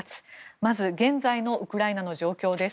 まず現在のウクライナの状況です。